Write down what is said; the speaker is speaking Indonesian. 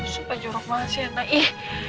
sumpah jorok banget sih sianang ih